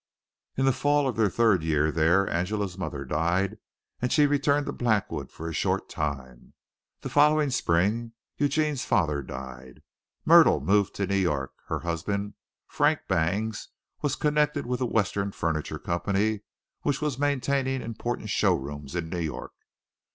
In the fall of their third year there Angela's mother died and she returned to Blackwood for a short time. The following spring Eugene's father died. Myrtle moved to New York; her husband, Frank Bangs, was connected with a western furniture company which was maintaining important show rooms in New York.